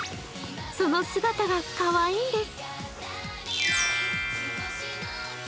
その姿がかわいいです。